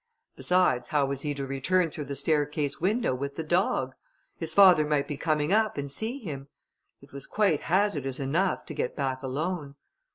Besides, how was he to return through the staircase window with the dog? His father might be coming up, and see him; it was quite hazardous enough to get back alone.